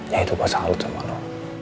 ya itu pasalut sama lo